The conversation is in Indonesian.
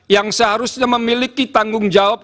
yang seharusnya memiliki tanggung jawab